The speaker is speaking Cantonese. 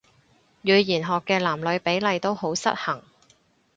語言學嘅男女比例都好失衡